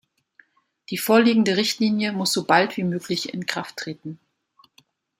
Die vorliegende Richtlinie muss so bald wie möglich in Kraft treten.